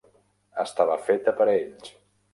Estava feta per a ells.